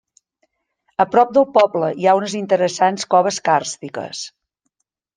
A prop del poble hi ha unes interessants coves càrstiques.